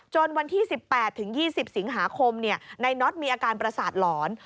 วันที่๑๘๒๐สิงหาคมนายน็อตมีอาการประสาทหลอน